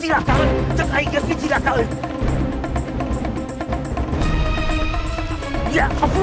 cekai dia pijilah kalian